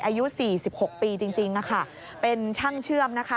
อายุ๔๖ปีจริงเป็นช่างเชื่อม